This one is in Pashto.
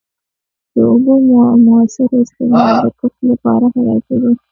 د اوبو موثر استعمال د کښت لپاره حیاتي دی.